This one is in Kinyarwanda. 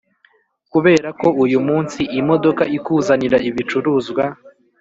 kubera ko uyumunsi imodoka ikuzanira ibicuruzwa